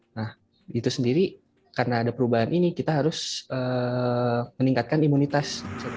nah itu sendiri karena ada perubahan ini kita harus meningkatkan imunitas